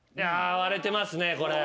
割れてますねこれ。